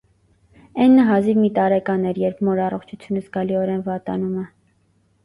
Էննը հազիվ մի տարեկան էր, երբ մոր առողջությունը զգալիորեն վատանում է։